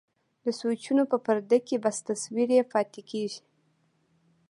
د سوچونو په پرده کې بس تصوير يې پاتې کيږي.